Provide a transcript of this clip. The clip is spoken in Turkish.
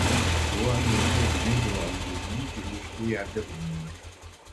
Doğu anadolu ve Güneydoğu Anadolunun birleştiği yerde bulunuyor.